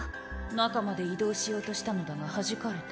中まで移動しようとしたのだがはじかれた。